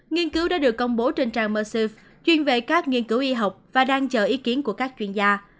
nghiên cứu đã được công bố trên trang mersiff chuyên về các nghiên cứu y học và đang chờ ý kiến của các chuyên gia